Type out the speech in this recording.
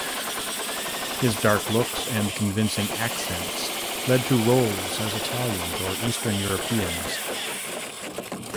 His dark looks and convincing accents led to roles as Italians or Eastern Europeans.